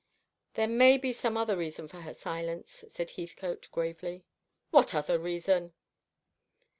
"There may be some other reason for her silence," said Heathcote gravely. "What other reason?"